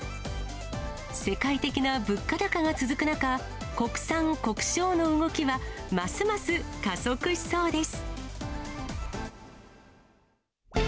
世界的な物価高が続く中、国産国消の動きは、ますます加速しそうです。